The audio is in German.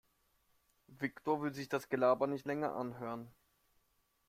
Viktor will sich das Gelaber nicht länger anhören.